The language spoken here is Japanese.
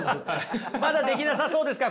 まだできなさそうですか？